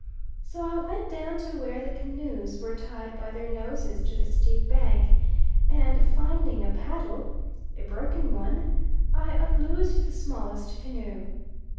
So I went down to where the canoes were tied by their noses to the steep bank, and finding a paddle, a broken one, I unloosed the smallest canoe.